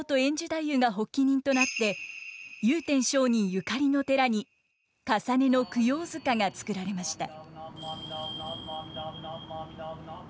太夫が発起人となって祐天上人ゆかりの寺に累の供養塚が作られました。